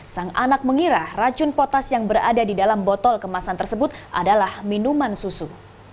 sang anak mengira racun potas yang berada di dalam botol kemasan tersebut adalah minuman susu